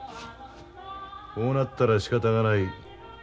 こうなったらしかたがない。